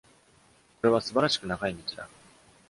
これは素晴らしく、長い道だ。